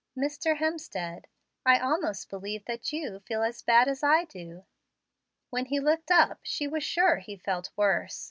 "Mr. Hemstead, I almost believe that you feel as bad as I do." When he looked up she was sure he felt worse.